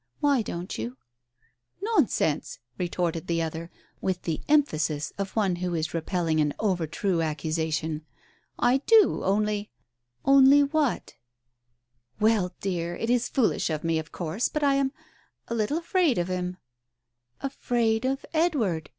Why don't you ?"" Nonsense !" retorted the other, with the emphasis of one who is repelling an overtrue accusation. "I do, only " "Only what?" " Well, dear, it is foolish of me, of course, but I am — a little afraid of him." "Afraid of Edward!"